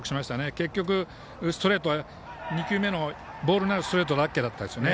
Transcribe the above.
結局、ストレートは２球目のボールになるストレートはラッキーだったんですね。